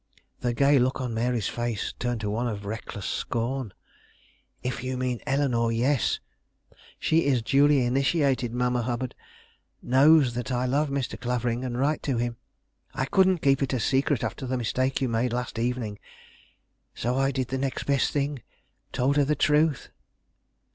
The gay look on Mary's face turned to one of reckless scorn. "If you mean Eleanore, yes. She is duly initiated, Mamma Hubbard. Knows that I love Mr. Clavering and write to him. I couldn't keep it secret after the mistake you made last evening; so I did the next best thing, told her the truth."